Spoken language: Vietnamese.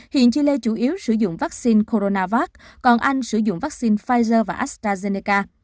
hiện chile chủ yếu sử dụng vaccine coronavac còn anh sử dụng vaccine pfizer và astrazeneca